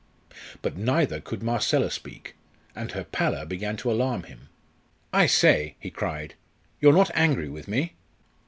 But neither could Marcella speak, and her pallor began to alarm him. "I say!" he cried; "you're not angry with me?"